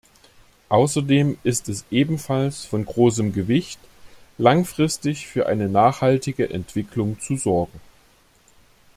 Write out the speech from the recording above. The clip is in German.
Außerdem ist es ebenfalls von großem Gewicht, langfristig für eine nachhaltige Entwicklung zu sorgen.